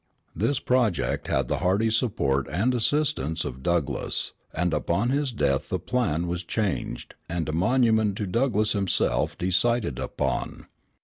This project had the hearty support and assistance of Douglass; and upon his death the plan was changed, and a monument to Douglass himself decided upon.